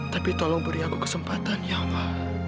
tapi tolong beri aku kesempatan ya allah